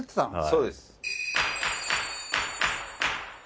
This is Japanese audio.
そうです。